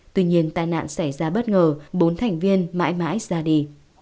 tuy nhiên tai nạn xảy ra bất ngờ bốn thành viên mãi mãi ra đi